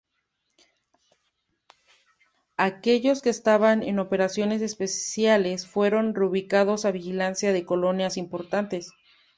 Aquellos que estaban en operaciones espaciales fueron reubicados a vigilancia de colonias importantes.